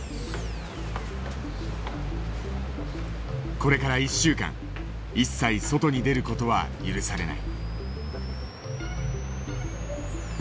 これから１週間一切外に出る事は許されない。